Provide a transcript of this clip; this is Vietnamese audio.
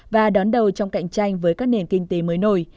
và đón đầu trong cạnh tranh với các nền kinh tế mới nổi